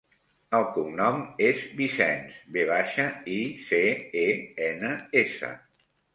El cognom és Vicens: ve baixa, i, ce, e, ena, essa.